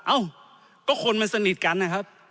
เอ้าก็คนมันสนิทกันนะครับ